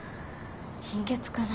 貧血かな？